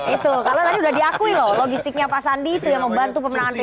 itu kalau tadi udah diakui loh logistiknya pak sandi itu yang membantu pemenangan p tiga